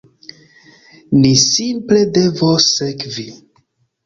Ni simple devos sekvi.